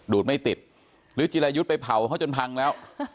ไม่ติดหรือจิรายุทธ์ไปเผาเขาจนพังแล้ว